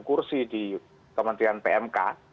kursi di kementerian pmk